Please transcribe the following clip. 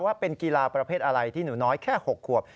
ว่าเป็นกีฬาประเภทอะไรที่หนูน้อยแค่๖ขวบ